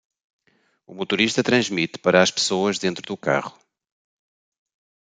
O motorista transmite para as pessoas dentro do carro